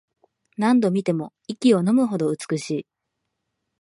何度見ても息をのむほど美しい